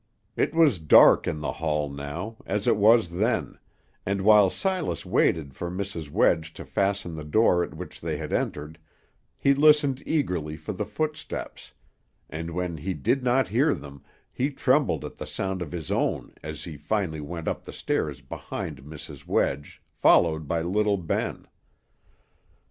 It was dark in the hall now, as it was then, and while Silas waited for Mrs. Wedge to fasten the door at which they had entered, he listened eagerly for the footsteps, and when he did not hear them, he trembled at the sound of his own as he finally went up the stairs behind Mrs. Wedge, followed by little Ben.